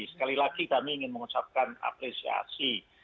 sekali lagi kami ingin mengucapkan apresiasi